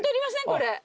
これ。